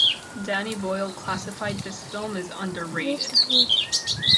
Danny Boyle classified this film as underrated.